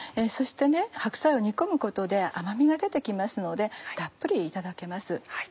そして白菜を煮込むことで甘みが出て来ますのでたっぷりいただけます。